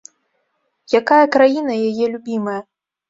Якая краіна яе любімая?